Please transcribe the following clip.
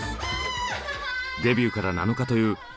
デビューから７日というＫーＰＯＰ